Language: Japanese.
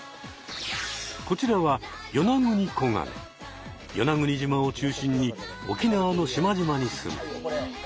こちらは与那国島を中心に沖縄の島々にすむ。